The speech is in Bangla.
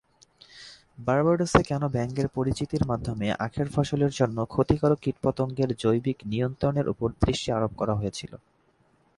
বার্বাডোসে কেন ব্যাঙের পরিচিতির মাধ্যমে আখের ফসলের জন্য ক্ষতিকারক কীট পতঙ্গের জৈবিক নিয়ন্ত্রণের ওপর দৃষ্টি আরোপ করা হয়েছিল।